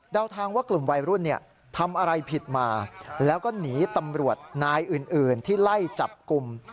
ทางว่ากลุ่มวัยรุ่นทำอะไรผิดมาแล้วก็หนีตำรวจนายอื่นที่ไล่จับกลุ่ม